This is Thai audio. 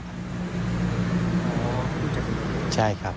อ๋อนี่จะเป็นคลิปใช่ครับ